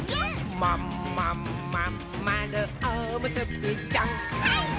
「まんまんまんまるおむすびちゃん」はいっ！